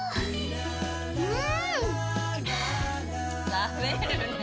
食べるねぇ。